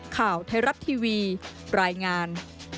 ข่าวไทยรัฐทีวีรายงาน